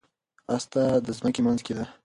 هسته د ځمکې منځ کې ده.